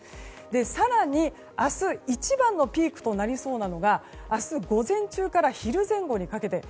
更に明日一番のピークとなりそうなのが明日午前中から昼前後にかけて。